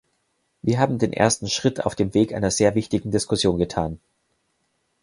Wir haben den ersten Schritt auf dem Weg einer sehr wichtigen Diskussion getan.